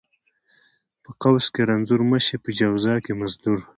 ـ په قوس کې رنځور مشې، په جواز کې مزدور.